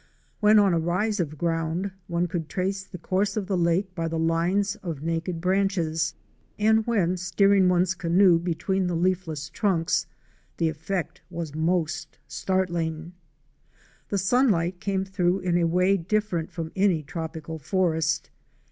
When on a rise of ground, one could trace the course of the lake by the lines of naked branches. And when steering one's canoe between the leafless trunks, the effect was most startling. The sunlight came through in a way different from any tropical forest.